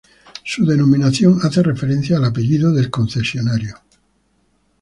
Su denominación hace referencia al apellido del concesionario.